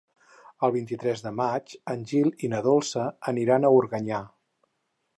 El vint-i-tres de maig en Gil i na Dolça aniran a Organyà.